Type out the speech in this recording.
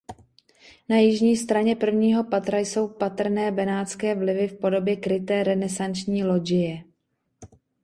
Na jižní straně prvního patra jsou patrné benátské vlivy v podobě kryté renesanční lodžie.